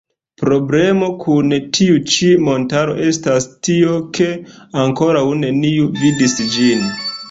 Problemo kun tiu ĉi montaro estas tio, ke ankoraŭ neniu vidis ĝin.